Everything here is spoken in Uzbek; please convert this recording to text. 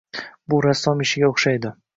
— Bu rassom ishiga o‘xshaydi.